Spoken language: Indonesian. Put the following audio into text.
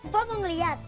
bu mau ngeliat